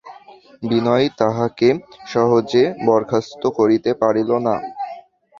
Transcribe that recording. বিনয় তাহাকে সহজে বরখাস্ত করিতে পারিল না।